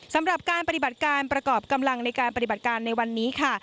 สำหรับการปฏิบัติการประกอบกำลังในการปฏิบัติการในวันนี้ค่ะ